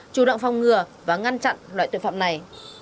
chủ động phòng ngừa và ngăn chặn loại tội phạm này